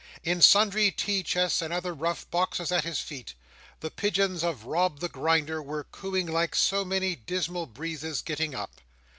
In sundry tea chests and other rough boxes at his feet, the pigeons of Rob the Grinder were cooing like so many dismal breezes getting up.